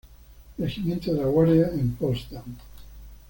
Regimiento de la Guardia en Potsdam.